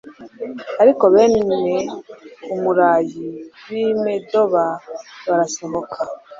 ariko bene amurayi, b'i medoba, barasohoka